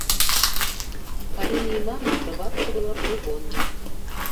Па лініі мамы прабабка была прыгоннай.